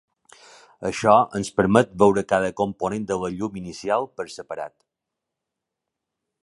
Això ens permet veure cada component de la llum inicial per separat.